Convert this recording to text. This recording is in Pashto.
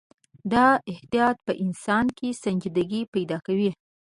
دا احتیاط په انسان کې سنجیدګي پیدا کوي.